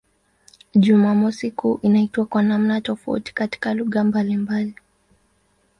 Jumamosi kuu inaitwa kwa namna tofauti katika lugha mbalimbali.